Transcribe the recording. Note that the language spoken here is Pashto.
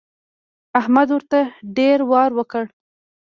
احمد ورته ډېر وار وکړ.